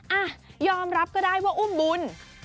อ่ะยอมรับก็ได้ว่าอุ้มบุญ